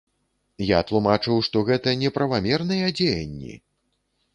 Я тлумачыў, што гэта неправамерныя дзеянні!